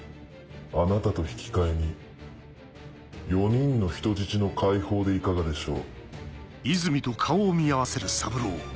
あなたと引き換えに４人の人質の解放でいかがでしょう？